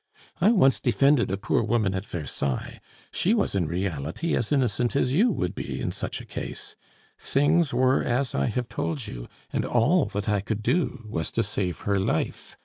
I once defended a poor woman at Versailles; she was in reality as innocent as you would be in such a case. Things were as I have told you, and all that I could do was to save her life.